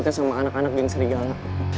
gak ada sangkut mautnya sama anak anak geng serigala